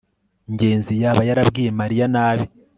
ngenzi yaba yarabwiye mariya? nabi